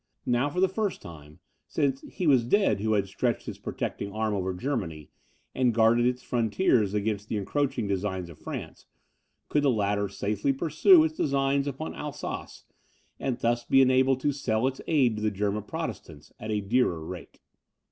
Now, for the first time, since he was dead who had stretched his protecting arm over Germany, and guarded its frontiers against the encroaching designs of France, could the latter safely pursue its designs upon Alsace, and thus be enabled to sell its aid to the German Protestants at a dearer rate.